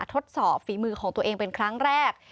ทดสอบฝีมือของตัวเองเป็นครั้งแรก